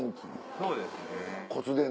そうですね。